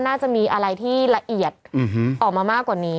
น่าจะมีอะไรที่ละเอียดออกมามากกว่านี้